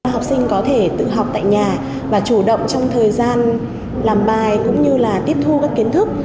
học sinh có thể tự học tại nhà và chủ động trong thời gian làm bài cũng như là tiếp thu các kiến thức